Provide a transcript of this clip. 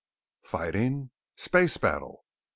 "Fighting?" "Space battle!"